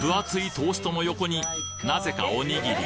トーストの横になぜかおにぎり。